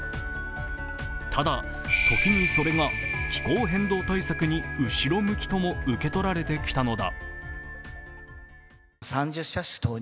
ただ、時にそれが気候変動対策に後ろ向きとも受け取られてきたのだ。